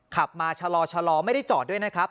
ขับมาชะลอไม่ได้จอดด้วยนะครับ